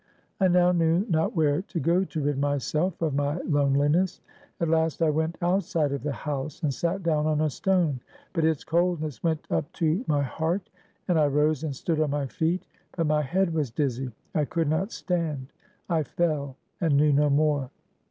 I now knew not where to go to rid myself of my loneliness. At last I went outside of the house, and sat down on a stone, but its coldness went up to my heart, and I rose and stood on my feet. But my head was dizzy; I could not stand; I fell, and knew no more.